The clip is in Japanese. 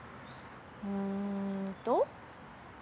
うーんと。